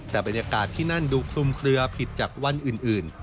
แต่บรรยากาศที่นั่นดูคลุมเคลือผิดจากวันอื่น